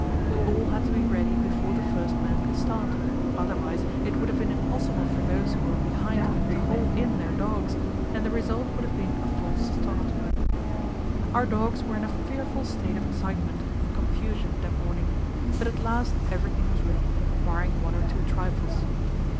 We all had to be ready before the first man could start; otherwise, it would have been impossible for those who were behind to hold in their dogs, and the result would have been a false start. Our dogs were in a fearful state of excitement and confusion that morning, but at last everything was ready, barring one or two trifles.